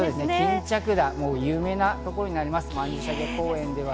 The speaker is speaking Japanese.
巾着田、有名なところになります。